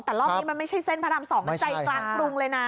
แต่รอบนี้มันไม่ใช่เส้นพระราม๒มันใจกลางกรุงเลยนะ